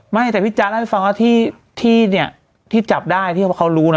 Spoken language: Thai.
ไม่แต่พี่จ๊ะให้ฟังว่าที่ที่เนี้ยที่จับได้ที่ว่าเขารู้น่ะ